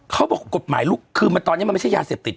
เขาบอกกฎหมายลูกคือตอนนี้มันไม่ใช่ยาเสพติด